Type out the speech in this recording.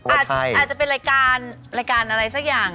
อาจจะเป็นรายการอะไรสักอย่าง